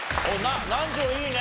南條いいね。